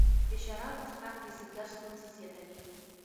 د شرابو څښاک د ځیګر ستونزې زیاتوي.